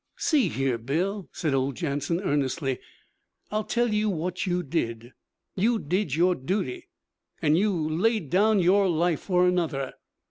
'See here, Bill,' said old Jansen earnestly. 'I'll tell you what you did. You did your duty! An' you laid down your life for another.